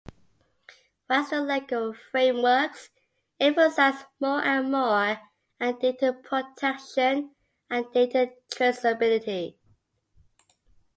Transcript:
Western legal frameworks emphasize more and more on data protection and data traceability.